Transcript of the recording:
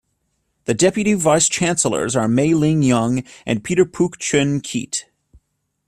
The Deputy Vice-Chancellors are Mei Ling Young and Peter Pook Chuen Keat.